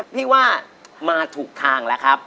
พี่ว่ามาถูกทางแล้วครับ